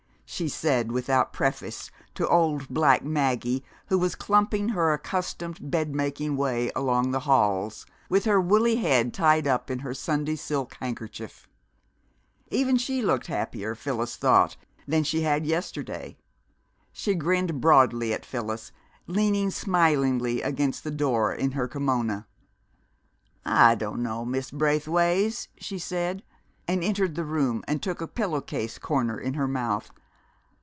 she said without preface to old black Maggie, who was clumping her accustomed bed making way along the halls, with her woolly head tied up in her Sunday silk handkerchief. Even she looked happier, Phyllis thought, than she had yesterday. She grinned broadly at Phyllis, leaning smilingly against the door in her kimona. "Ah dunno, Miss Braithways," she said, and entered the room and took a pillow case corner in her mouth.